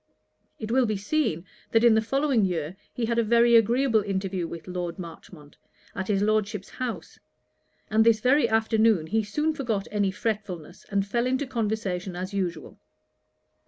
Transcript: It will be seen, that in the following year he had a very agreeable interview with Lord Marchmont, at his Lordship's house; and this very afternoon he soon forgot any fretfulness, and fell into conversation as usual.